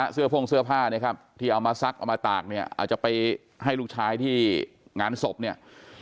พ่งเสื้อผ้าเนี่ยครับที่เอามาซักเอามาตากเนี่ยอาจจะไปให้ลูกชายที่งานศพเนี่ย